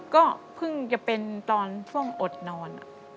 ก็เพิ่งจะเป็นตอนช่วงอดนอน